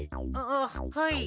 あっはい。